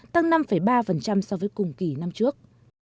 tăng năm ba so với cùng kỳ năm trước